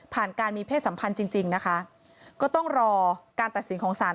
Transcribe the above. การมีเพศสัมพันธ์จริงจริงนะคะก็ต้องรอการตัดสินของสาร